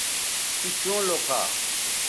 تو چوں لوکھا